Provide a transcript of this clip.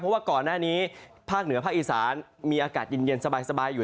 เพราะว่าก่อนหน้านี้ภาคเหนือภาคอีสานมีอากาศเย็นสบายอยู่